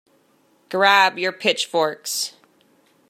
Grab your pitchforks!